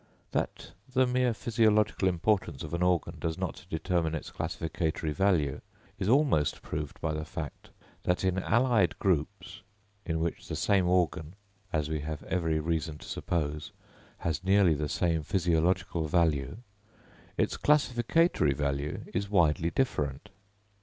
That the mere physiological importance of an organ does not determine its classificatory value, is almost proved by the fact, that in allied groups, in which the same organ, as we have every reason to suppose, has nearly the same physiological value, its classificatory value is widely different.